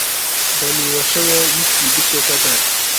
بە نیوەی شەوێ ویستی بچێتە دەر